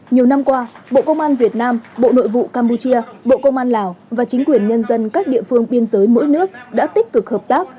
nhiều năm qua bộ công an việt nam bộ nội vụ campuchia bộ công an lào và chính quyền nhân dân các địa phương biên giới mỗi nước đã tích cực hợp tác